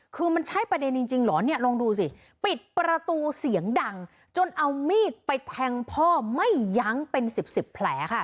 คือมันใช่ประเด็นจริงเหรอเนี่ยลองดูสิปิดประตูเสียงดังจนเอามีดไปแทงพ่อไม่ยั้งเป็นสิบสิบแผลค่ะ